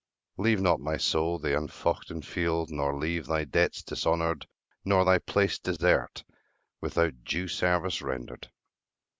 Leave not, my soul, the unfoughten field, nor leave Thy debts dishonoured, nor thy place desert Without due service rendered.